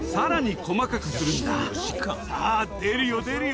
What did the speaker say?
さぁ出るよ出るよ。